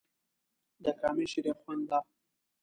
د کامې شریخ خوند لا